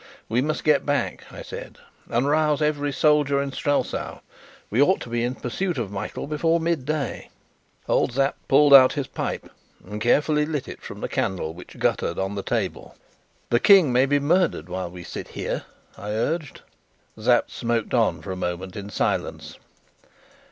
"We must get back," I said, "and rouse every soldier in Strelsau. We ought to be in pursuit of Michael before midday." Old Sapt pulled out his pipe and carefully lit it from the candle which guttered on the table. "The King may be murdered while we sit here!" I urged. Sapt smoked on for a moment in silence.